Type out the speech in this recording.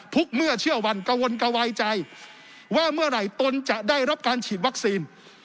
เมื่อเชื่อวันกระวนกระวายใจว่าเมื่อไหร่ตนจะได้รับการฉีดวัคซีน